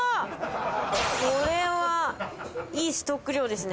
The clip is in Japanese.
これはいいストック量ですね。